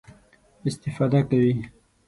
استفاده کوي.